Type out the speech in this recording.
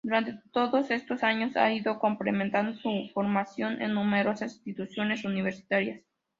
Durante todos estos años, ha ido completando su formación en numerosas instituciones universitarias.